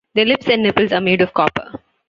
Their lips and nipples are made of copper.